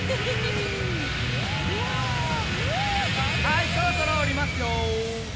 はいそろそろおりますよ。